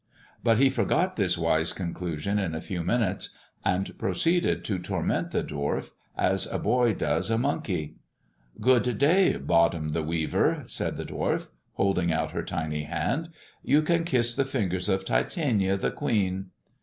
But he forgot this wise conclusion in a few minutes, and proceeded to torment the dwarf as a boy does a monkey. " Good day, Bottom the Weaver," said the dwarf, holding out her tiny hand, " you can kiss the fingers of Titania the Queen."